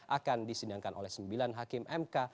akan disidangkan oleh sembilan hakim mk